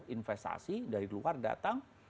investasi dari luar datang